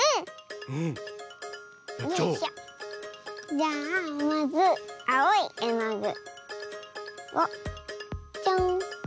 じゃあまずあおいえのぐをちょん。